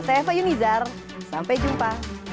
saya eva yunizar sampai jumpa